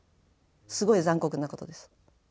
すごい残酷なことです。